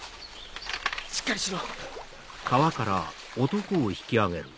しっかりしろ！